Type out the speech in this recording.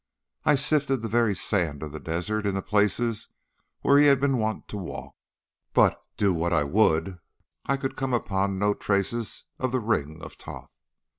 I sifted the very sand of the desert in the places where he had been wont to walk; but, do what I would, I could come upon no traces of the ring of Thoth.